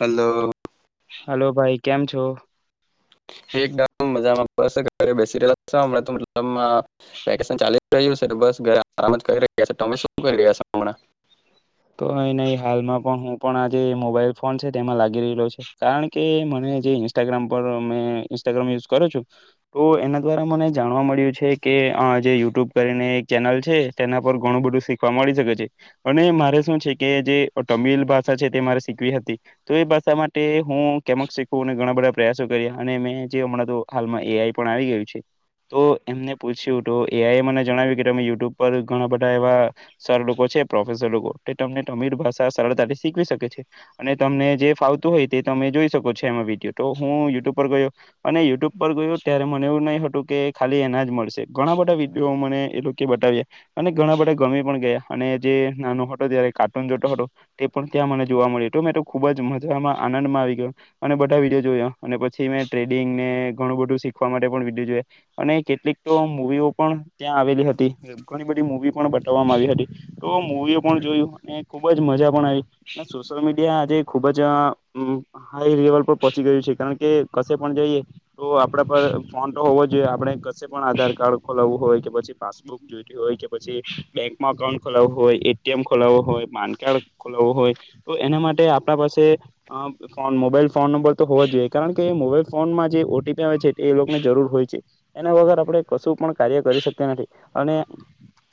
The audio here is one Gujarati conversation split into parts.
હલો હલો ભાઈ કેમ છો એકદમ મજામાં બસ આ ઘરે બેસી રહેલો [unintelligible] વેકેશન ચાલી રહ્યું છે બસ ઘરે આરામ જ કરી રહ્યા છે તમે શું કરી રહ્યા છો હમણાં [inaudible] તો અહી નહી હાલમાં પણ હું પણ આજે મોબાઈલ ફોન છે તેમાં લાગી રહલો છે કારણ કે મને મે જે ઈસ્તાગામ યુશ કરૂ છું તો એના દ્વારા મને જાણવા મળ્યું છે જે યુટ્યુબ કરીને ચેનલ છે તેના પર ઘણું બધું શીખવા મળી શકે છે અને મારે કે જે તમિલ ભાષા છે તે મારે શીખવી હતી તો એ ભાષા માટે હું કેમ શીખું ઘણા બધા પ્રયાસો કર્યા અને મે જે હમણાં તો હાલમાં એ આઈ પણ આવી ગયું છે તો એમને પૂછ્યું હતું એઆઈ એ મને જણાવ્યું કે તમે યુટ્યુબ પર ઘણા બધા એવા સર લોકો છે પ્રોફેસર રોકો તે તમને તમિળ ભાષા સરળતાથી શીખવી શકે છે અને તમને જે ફાવતું હોય તે તમે જોઈ શકો છો એમાં વીડીયો તો હું યુટ્યુબ પર ગયો અને યુટ્યુબ પર ગયો ત્યારે મને એવું નહી હતું કે ખાલી એના જ મળશે ઘણા બધા વિડીયો મને એ લોકો બતાવ્યા અને ઘણા બધા ગમે પણ ગયા અને જે નાનો કાર્ટૂનટ હતો તે પણ ત્યાં મને જોવા મળ્યો મેં ખુબ જ મજામાં આનંદમાં આવી ગયો બધા વિડીયો જોયા અને પછી મેં ટ્રેડિંગ ને ઘણું બધું શીખવા માટે પણ વિડીયો જોયા અને કેટલીક તો મુવીઓ પણ ત્યાં આવેલી હતી ઘણી બધી મુવી પણ બતાવવામાં આવી હતી તો મુવીઓ પણ જોયું અને ખુબ જ મજા પણ આવી અને સોશિયલ મીડિયા આજે ખુબ જ હાય લેવલ પર પહોંચી ગયું છે કારણ કે કશે પણ જઈએ તો આપડા પર ફોન તો હોવો જોઈએ આપણે કશી પણ આધાર કાર્ડ ખોલાવવું હોય કે પછી પાસબુક જોઈતી હોય કે પછી બેંકમાં અઉન્ટ ખોલાવું હોય કેમ ખોલાવવો હોય પાન કાર્ડ ખોલાવવો હોય તો એના માટે આપણા પાસે ફોન મોબાઈલ ફોન નંબર તો હોવા જ જોઈએ કારણ કે મોબાઈલ ફોનમાં જે ઓટીપી આવે છે એ લોકો ને જરૂર હોય છે એના વગર આપણે કશું પણ કાર્ય કરી શકતા નથી અને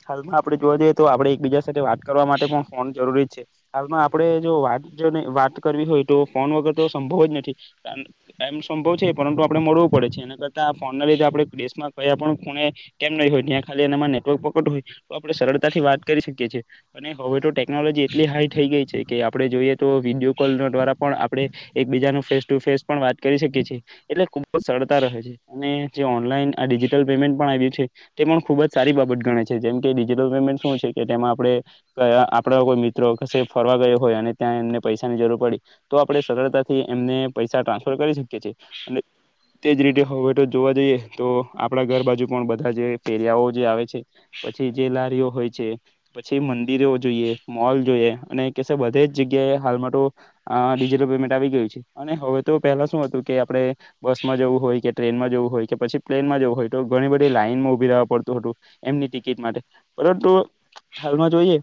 હાલમાં આપણે જોવા જઈએ તો આપણેે એકબીજા સાથેત કરવા માટે પણ ફોન જરૂરી છે હાલ આપણે જો વાત જોને વાત કરવી હોય તો ફોન વગર તો સંભવ જ નથી કારળ કે સંભવ છે પરંતુ આપડણે મળવું પડે છે એના કરતા ફોન ના લીધે આપણે દેશ મા ભઈ આપણે ખૂણે કેમ નહી હોય ત્યાં ખાલી એનામાં નેટવર્ક પકડ હોય તો આપડણે સરળતાથી વાત કરી શકીએ છીએ અને હવે તો ટેકનોલોજી એટલી હાઈ થઈ ગઈ છે કે આપડણે જોઈએ તો વિડીયો કોલ દ્વારા પણ આપણે બીજા ફેસ ટુ ફેસ પણ વાત કરી શકીએ છીએ એટલે ખુબ જ સરળતા રહે છે અને જે ઓનલાઈન આ ડીજીટલ પેમેન્ટન આવી છે તે પણ ખુબ જ સારી બાબત ગણે છે જેમ કે ડિજટલ પેમેન્ટ શું છે કે તેમાં આપણે આપણા કોઈ મિત્રો ક ફરવા ગયો હોય અને ત્યાં એમને પૈસાની જરૂર પડી તો આપણે સરળતાથી એમને પૈસા ટ્રાન્સફર કરી શકીએ છીએ અને તે જ રીતે હવે તો જોવા જઈએ તો આપણા ઘર બાાજુ પણ બધા જે પેરિયાઓ જે આવે છે પછી જે લારીઓ હોય છે પછી મ જોઈએ મોલ જોઈએ અને ક બધે જગ્યાએ હાલમાં તો ડિજિટલ પેમેન્ટ આવી ગયું અને હવે તો પેલા શું હતું કે આપડે બસમાં જવું હોય કે ટ્રેનમાં જવું હોય કે પછી પ્લેનમાં જવું હોય ઘણી બધી લાઈનમાં ઉભી રવા પડતું હતું એમની ટિકિટ માટે પરંતુ હાલમાં જોઈએ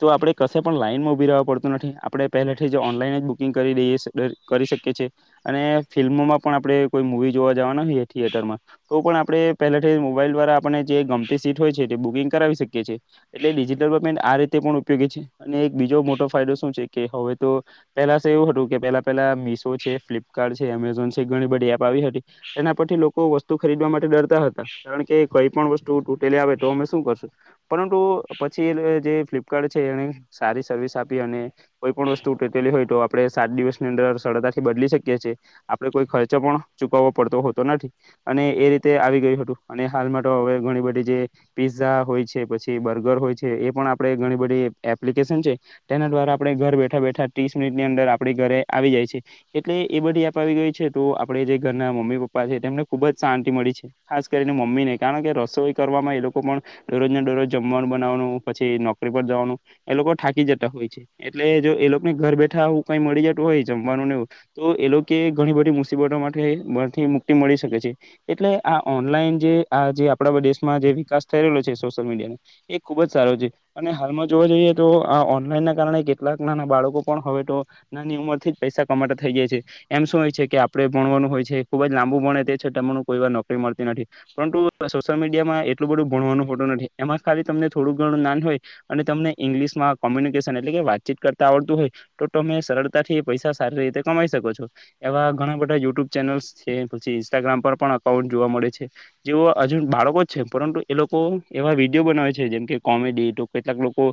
તો આપડે કશે પણ લાઈન માં ઉભી રવા પડતું નથી આપડણે પેલાથી જ ઓનલાઈન જ બુકિંગ કરી દઈએ કરી શકીએ છીએ અને ફિલ્મોમાં પણ આપણે કોઈ મુવી જોવા જવાના હોએ થિયેટરમાં તો પણ આપણે પેલા મોબાઈલ દ્વારા આપને જે ગમતી સીટ હોય છે તે બુકિંગ કરી શકીએ છીએ એટલે ડિજટલ આ રીતે પણ ઉપયોગી છે અને એક બીજો મોટો ફાયદો શું છે કે હવે તો પેલા એવું હતું કે પેલા પેલા મીશો છે ફ્લિપકાર્ટ છે એમેઝોન છે ઘણી બધી એપ આવી હતી તેના પરથી લોકો વસ્તુ ખરીદવા માટે ડરતા હતા કારણ કે કઈ પણ વસ્તુ તૂટેલી આવે તો અમે શું કરશું પરંતુ પછી જે ફ્લિપકાર્ટ છે એને સારી સર્વિસ આપી અને કોઈ પણ વસ્તુ તૂટેલી હોય તો આપે દિવસની અંદર સરળતાથી બદલી શકીએ છીએ આપડણે કોઈ ખર્ચો પણ ચૂકવવો પડતો હોતો નથી અને એ રીતે આવી ગયું હતું અને હાલમાં તો હવે ઘણી બધી જે પીઝા હોય છે પછી બર્ગર હોય છે એ પણ આપણે ઘણી બધી એપ્લિકેશન છે તેના દ્વારા આપણે ઘર બેઠા બેઠા ત્રીસ મિનિટ ની અંદર આપ ઘરે આવી જાય છે એટલે એ બધી એપ આવી ગઈ છે તો આપડે જે ઘરના મમ્મી પપ્પા છે તેમને ખુબ જ શાંત તે મણી છે ખાસ કરીને મમ્મી ને કારણ કે રસોઈ કરવામાં એ લોકો પણ દરોજને દોરોજ જમવાનું બનાવવાનું પછી નોકરી પર જવાનું એ લોકો થાકી જતા હોય છે એટલે જો એ લોકો ને ઘર બેઠા આવું કઈ મળી જતુ હોય જમવાનુંને એવું તો એ લોકો ઘણી બધી મુસીબતો માટેથી મુક્તિ મળી શકે છે એટલે આ ઓનલાઈન જે આ જે આપણા દેશમાં જે વિકાસ થઈ રહલો છે સોશિલ મીડિયા નો એ ખુબ જ સારો છે અને હાલમાં જોવા જઈએ તો આ ઓનલાઈન ના કારણે કેટલાક નાના બાળકો પણ હવે તો નિની ઉમર થી જ પૈસા કમા થઈ જાય છે એમ શું હોય છે કે આપણે ભણવાનું હોય છે ખુબ જ લાંબુ ભણે તે છે કો વાર નોકરી મળતી નથી પરંતુ સોશિયલ મીડિયામાં એટલું બધું ભણવાનું ફોટું નથી એમાં ખાલી તમને થોડું ઘણું નાાન હોય અને તમને ઇંગ્લિશમાં કોમ્યુનિકેશન એટલે કે વાતચીત કરતા આવડતું હોય તો તમે સરતાથી પૈસા સારી રીતે કમાઈ શકો છો એવા ઘણા બધા યુટ્યુબ ચેનલ્સ છે પછી ઇન્સ્ટાગ્રામ પર અઉ જોવા મળે છે જે બાળકો છે પરંતુ એ લોકો એવા વિડીયો બનાવે છે જેમ કે કોમેડી તો કેટલાક લોકો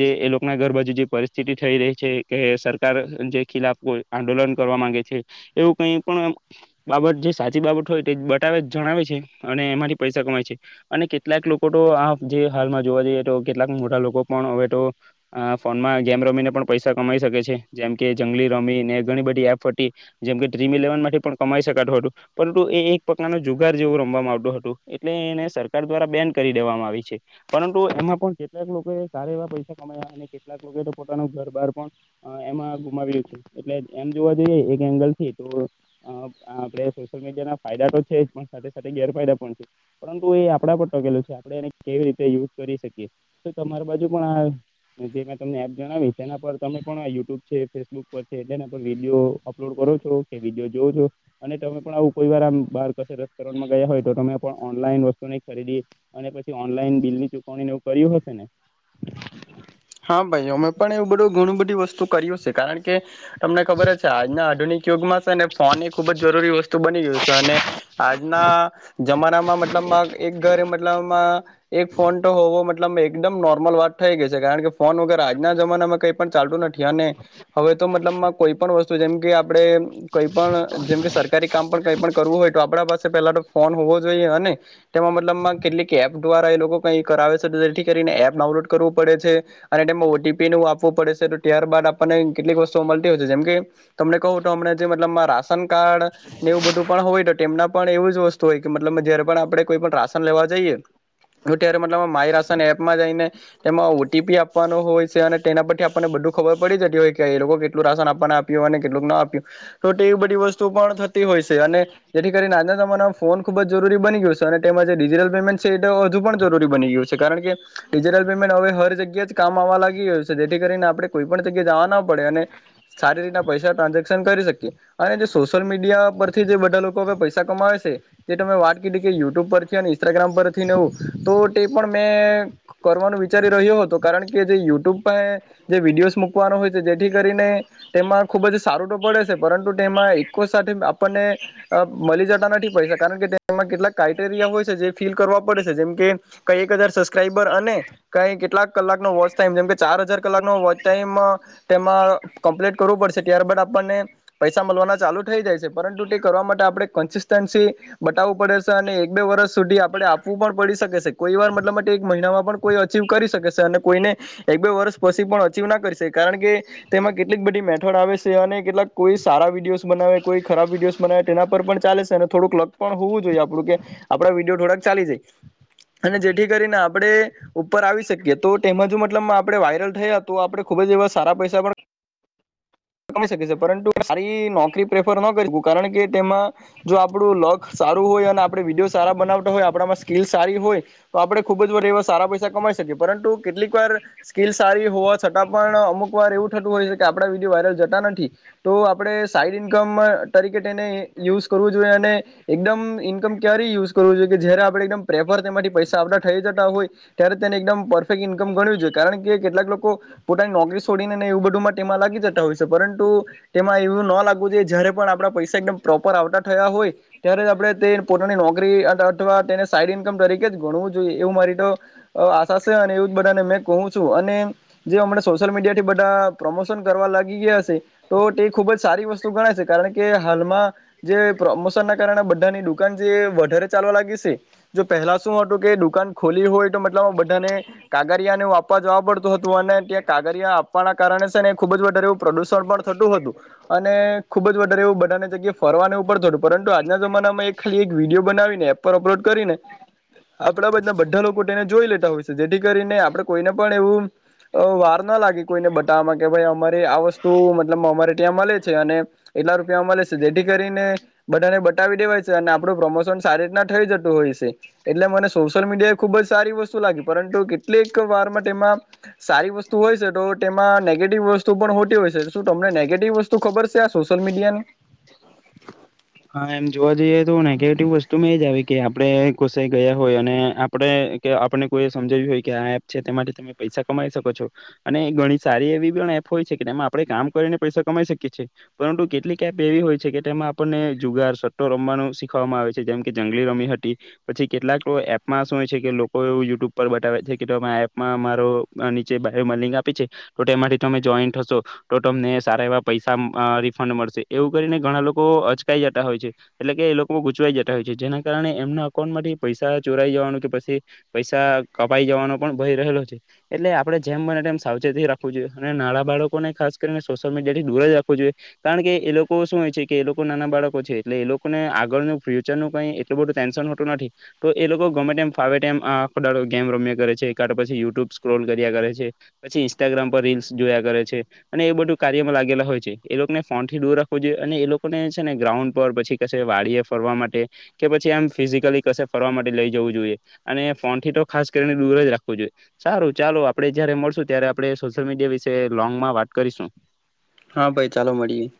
જે એ લોકો ના ઘર બાજુ જે પરિસ્થિતિ થઈ રહી છે કે સરકાર જે ખિલા કોઈ આંદોલન કરવા માંગે છે એવું કઈ પણ બાબત જે સાચી બાબત હોય બ જણાવે છે અને એમાંથી પૈસા કમાય છે અને કેટલાક લોકો તો આ જે હાલમાં જોવા જઈએ તો કેટલાક મોટા લોકો પણ હવે તો ફોનમાં ગેમેરામીને પણ પૈસા કમાઈ શકે છે જેમકે જંગલી રમી એ ઘણી બધી એપ હતી જેમકે ડ્રીમ ઇલેવન માટે પણ કમાઈ શકાત હતું એ એક પ્રકારનો જુગાર જેવું રમ આવતો હતું એટલે એને સરકાર દ્વારા બેન કરી દેવામાં આવી છે પરંતુ એમાં પણ કેટલાક લોકો સારા એવા પૈસા કમાયા અને કેટલાક લોકો તો પોતાનું ઘર બાર પણ એમાં ગુમાવ્યું છે એટલે એમ જોવા જોઈએ એક એંગલ થી તો આપે સોશિયલ મીડિયા ફાયદા તો છે જ પણ સાથે સાથે ગેરફાયદા પણ છે પરંતુ એ આપણા પર ટકેલ છે આપણે એને કેવી રીતે યુઝ કરી શકીએ તો તમારી બાજુ પણ આ જે મેં તમને એપ જણાવી તેના પર તમે પણ યુટ્યુબ છે ફેસબુક પર છે તેના પર વિડીયો અપલોડ કરો અને તમે પણ આવું કોઈ વાર રેમાં ગયા હોય તો તમે ઓન વસ્તુની ખરીદી અને પછી ઓનલાઈન બિલની ચુકવણી એવું કર્યું હશે ને હા ભાઈ અમે પણ એવું બધું ઘણું બધી વસ્તુ કર્યું છે કારણ કે કે તમને ખબર હ છે આજના આધુનિક યુગમાં છે ને ફોન એ ખુબ જ જરૂરી વસ્તુ બની ગયું છે અને આજના જમાનામાં મતલબ એક ઘરે મતલબ એક ફોન તો હોવો મતલબ એકદમ નોર્મલ વાત થઈ ગઈ છે કારણ કે ફોન વગેરે આજના જમાનામાં કઈ પણ ચાલતું નથી અને હવે તો મતલબમાં કોઈ પણ વસ્તુ જેમ કે આપડણે કઈ પણ જેમ કે સરકારી કામ પણ કઈ પણ કરવું હોય તો આપડા પાસે પેલા તો ફોન હોવો જોઈએ અને તેમાં મતલબમાં કેટલીક એપ દ્વારા એ લોકો કઈ કરાવે છે તો જેથી કરીને એપ ડ કરવું પડે છે અને તેમાં ઓટીપી નું આપવું પડે છે તો ત્યારબાદ આપણને કેટલીક વસ્તુઓ મળતી હોય છે જેમ કે તમને કહું તોમને મતલબ રાશન કાર્ડ ને એવું બધું પણ હોય તો તેમના પણ એવું જ વસ્તુ હોય મતલબ જય પણ આપણે કોઈ પણ રાશન લેવા જઈએ તો ત્યારે મતલબ માય રાશન એપમાં જઈને એમાં ઓટીપી આપવાનો હોય છે અને તેના પરથી આપણને બધું ખબર પડી જતી હોય કે એ લોકો કેટલ રાશન આપવાને આપ્યું અને કેટલું ના આપ્યું તો એ બધી વસ્તુ પણ થતી હોય છે અને જેથી કરી તમારા ફોન ખુબ જરૂરી બની ગયો છે અને તેમાં જે ડિજિટલ પેમેન્ટ છે એ હજુ પણ જરૂરી બની ગયું છે કારણ કે ડિજિટલ પેમેન્ટ હવે હર જગ્યા કામ આવવા લાગી રહ્યું છે જેથી કરીને આપડે કોઈ પણ જગ્યા જવા ના પડે અને સારી રીતના પૈસા ટ્રાન્ઝેક્શન ક રી શકીયે અને જે સોશિયલ મીડિયા પરથી જે બધા લોકો પૈસા કમાવે છે તે તમે વાત કીધી કે યુ ટૂબ પરથી ઇન્સ્ટાગ્રામ પરથી નેવું તો તે પણ મેં કરવાનું વિચારી રહ્યો હતો. કારણ કે જે યુટ્યુબ પર જે વિડીયોસ મૂકવાનો હોય છે જેથી કરીને તેમાં ખુબ જ સારું તો પડે છે પરંતુ તેમાં ઈકો સાથે આપણને મળી જતા નથી પૈસા કારણ કે તેમાં કેટલા ક્રઇટેરિયા હોય છે જે ફિલ કરવા પડે છે જેમ કે કઈ એક હજાર સબસ્ક્રાઈબર અને કઈ કેટલાક કલાક ન વોચ ટાઈમ જેમ કે ચાર હજાર કલાકનો વોચ ટાઈમ તેમાં કમ્પ્લીટ કરવું પડશે ત્યાર બધા પણે પૈસા મળવાના ચાલુ થઈ જાય છે પરંતુ તે કરવા માટે આપણે કન્સિસ્ટન્સી બતાવું પડે છે. અને એક બે વર્ષ સુધી આપડે આપવું પણ પડી શકે છે કોઈ વાર મતલબ માટે એક મહિનામાં પણ કોઈ અચીવ કરી શકે. છે કોઈને એક બે વર્ષ પછી પણ અચીવ ના કરીશે કારણ કે તેમાં કેટલીક બધી મેઠળ આવે છે અને કેટલાક કોઈ સારા વિડીયોઝ બનાવે કોઈ ખરાબ વિડીયોઝ બનાવે તેના પર પણ ચાલે છે અને થોડુંક લક પણ હોવું જોઈએ આપ રૂપિયા આપડા વિડીયો થોડાક ચાલી જાય અને જેથી કરીને આપડે ઉપર આવી શકીએ. તો તેમાં જો મતલબ આપડે વાયરલ થયા તો આપડે ખુબ જ એવા સારા પૈસા પણ કરી શકે છે પરંતુ સારી નોકરી પ્રેફર ન કરી કારણ કે તેમાં જો આપડું લક સા સારું હોય અને આપડે વિડીયો સારા બનાવતા હોય આપડા માં સ્કીલ સારી હોય તો આપડે ખુબ જ એવા સારા પૈસા કમાઈ સક પરંતુ કેટલીક વાર સ્કીલ સારી હોવા છતાં પણ અમુક વાર એવું થતું હોય છે કે આપડા વિડીયો વાયરલ જ નથી તો આપડે સાઈડ ઇન્મ તરીકે તેને યુઝ કરવું જોઈએ અને એકદમ મ ક્યારે યુજ કરવું જોઈએ કે જયારે આપણે પ્રેફર તેમાંથી પૈસા આપડા થઈ જતા હોય ત્યારે તેને એકદમ પરફેક્ટ ઇન્કમ ગણ્યું છે કારણ કેટલાક લોકો પોતાની નોકરી છોડીને એવું બધું માટેમાં લાગી જતા હોય છ ત પરુ તેમાં એવું ના લાગવું જયારે પણ આપડા પૈસા એકમ પ્રોપર આવતા થયા હોય, ત્યારે આપ પડે તે પોતાની નોકરી અથવા તેને સાઈડ ઈન્કમ તરીકે જ ગણવું જોઈએ એવું મારી તો આશા છે અને એ બધા નમેં કઉ છું અને જેમ સોશિલ મીડિયા થી બધા પ્રમોશન કરવા લાગ ગી ગિયા છે તો તે ખુબ જ સારી વસ્તુ ગણાશે કારણ કે હાલમાં જે પ્રમોશન ના કારણે બધાની દુકાન જે વધારે ચાલવા લાગી છે. જો પહેલા શું હતું કે? દુકાન ખોલી હોય તો મતલબ બધાને. કાગરિયાને આપવા જોવા પડતું હતું. અને ત્યાં કાગરિયા આપવાના કારણે છે ને ખુબ જ વધાર પ્રદુષણ પણ થતું હતું. અને ખુબ જ વધારે એવું બધાની જગ્યાએ ફરવાની ઉપર જડું પરંતુ આજના જમાનામાં એક ખાલી એક વિડીયો બનાવીને, એપ પર અપલોડ કરીને આપડા બાજના બધા લોકો તેને જોઈ લેતા હોય છે જેથી કરીને આપડે કોઈને પણ એવું અ વાર ના લાગે કોઈને બતાવવામાં કે ભાઈ અમારી આ વસ ત્યાં મળે છે. અને એટલા રૂપિયા મળે છે. જેથી કરીને બધાને બતાાવી દેવાય છે. અને આપડુ પ્રમોશન સારી રીતના થઈ જતું હોય છે. એટલે મને સોશિયલ મીડિયા એ ખુબ જ સારી વસ તુ પરંતુ કેટલીક વારમાં તેમાં સારી વસ હોય છે તો તેમાં નેગેટિવ વસ્તુ પણ હોતી હોય છે શું તમને નેગેટિવ વસ્તુ ખબર છે? આ સોશિયલ મીડિયાનું. હા એમ જોવા જઈએ તો, નેગેટિવ વસ્તુમાં એજ આવે કે આપડે કોસાઈ ગયા હોય અને આપડે કે આપણે કોઈ સમજાવ્યું હોય કે. આ એપ છે. તે માટે તમે પૈસા કમાઈ શકો છો. અને ઘણી સારી એવી ને એપ હોય છે કે તેમાં આપડે કામ કરીને પૈસા કમાઈ શકીએ છીએ. પરંતુ કેટલીક એપ એવી હોય છે. કે તેમાં આપણને જુગાર સટ્ટો રમવાનું શીખવામાં આવે છે. જેમ કે જંગલી રમી હતી પછી કેટલાક એપમાં શું હોય છે કે લોકો એવ યુટ્યુબ પર બતાવે છે. કે આ એપમાં મારો નીચેમાં લિંક આપી છે. તો માથી તમે જોઈન થશો તો તમને સારા એવા પૈસા અ રિફંડ મળશે. એવું કરીને ઘણા લોકો થઇ જતા હોય છે. એટલે કે એ લોકો ગૂચવાઈ જતા હોય છે. જેના કારણે એમના અકાઉન્ટ માંથી પૈસા ચોરાઈ જવાનું કે પ સી પૈસા કપાઈ જવાનો પણ ભય રહેલો છે. એટલે આપડે જેમ બને તેમ સાવચેતી રાખવું જોઈએ અને નાના બાળકોને ખાસ કરીને સોશિયલ મીડિયા થી દૂર જ રાખવું જોઈએ. કારણ કે એ લોકો શું હોય છે. કે એ લોકો નાના બાળકો છે. એટલે એ લોકોને આગળનું ફ્યુચર નું કઈ એટલું બધું ટેન્શન હોતું નથી તો એ લોકો ગમે એમ ફા તો ટાઈમ આખો દારો ગેમ રમ્યા કરે છે. કા તો પછી યુટ્યુબ સ્ક્રોલ કર્યા કરે છે. પછી ઇન્સ્ટાગ્રામ પર રિલ્સ જોયા કરે છે. અને એ બધું કાર્યમાં લાગેલા હોય છે. એ લોકોને ફોન થી દૂર રાખવો જોઈએ. અને એ લોકોને ને ગ્રાઉન્ડ પર પછી કશે વાળી એ ફરવા માટે કે પછી એમ ફિઝિકલી કશે ફરવા માટે લઈ જવું જોઈએ. અને ફોન થી તો ખાસ કરીને દૂર જ રાખવું જોઈએ. સારું ચાલો આપડે જયારે મળશું ત્યારે આપડે સોશિયલ મીડ વિશે લોંગ માં વાત કરીશું. હા! ભાઈ ચાલો મળીએ.